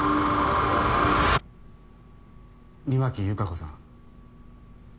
庭木由香子さん。